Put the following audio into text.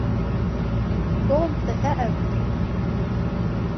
توم تثاءب.